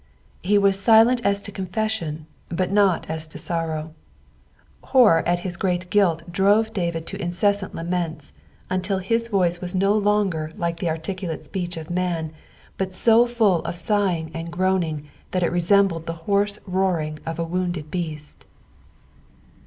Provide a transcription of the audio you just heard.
He was silent as to confession, but not as to sorrow. Horror at his great guilt, drove David to incessant laments, until his voice was no longer like the FSAUI THB THIBTT 8EC0ND. 91 articulate speech ot man, but bo fall of lighiog and groaning, that it reaembled the hoarse roaring of a wounded beast.